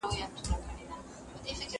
يې ګانو د استعمال د وخت او ځايونو د بېلګو د